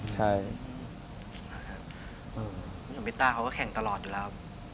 แกเอยคุณวิต้าเค้าก็แข่งตลอดอยู่แล้ว